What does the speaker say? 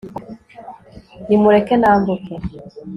nimureke nambuke